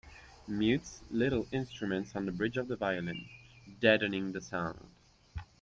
Mutes little instruments on the bridge of the violin, deadening the sound.